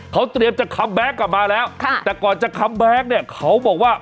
เขาเตรียมจะคัมแก๊กกลับมาแล้วค่ะแต่ก่อนจะคัมแบ็คเนี่ยเขาบอกว่า